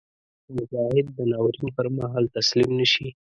مجاهد د ناورین پر مهال تسلیم نهشي.